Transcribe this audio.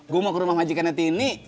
gue mau ke rumah majikannya tini